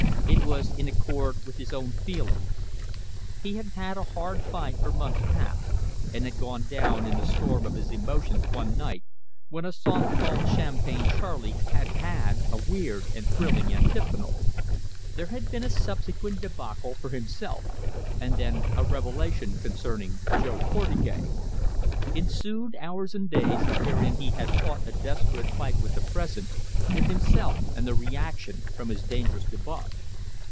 It was in accord with his own feelings. He had had a hard fight for months past, and had gone down in the storm of his emotions one night when a song called Champagne Charlie had had a weird and thrilling antiphonal. There had been a subsequent debacle for himself, and then a revelation concerning Jo Portugais. Ensued hours and days, wherein he had fought a desperate fight with the present with himself and the reaction from his dangerous debauch.